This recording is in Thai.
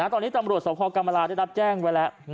ตอนนี้ตำรวจสภกรรมราได้รับแจ้งไว้แล้ว